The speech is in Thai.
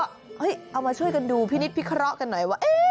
เอ้ยเอามาช่วยกันดูพี่นิดพิเคราะห์กันหน่อย